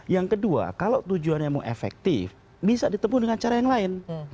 yang kedua kalau tujuan kamu efektif bisa ditemukan dengan cara yang lain